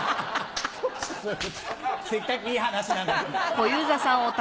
せっかくいい話なのに。